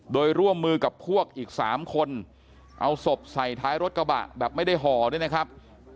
โดยร่วมมือกับพวกอีก๓คนเอาศพใส่ท้ายรถกระบะแบบไม่ได้ห่อด้วยนะครับ